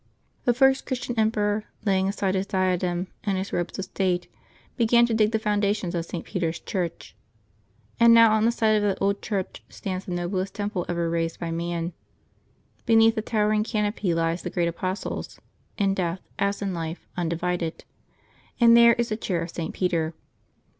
The first Christian emperor, laying aside his diadem and his robes of state, began to dig the foundations of St. Peter's Church. And now on the site of that old church stands the noblest temple ever raised by man; beneath a tower ing canopy lie the great apostles, in death, as in life, un divided ; and there is the Chair of St. Peter.